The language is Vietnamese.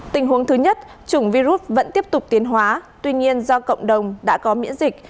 tình huống thứ nhất chủng virus vẫn tiếp tục tiến hóa tuy nhiên do cộng đồng đã có miễn dịch